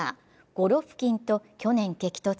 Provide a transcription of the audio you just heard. ゴロフキンと去年、激突。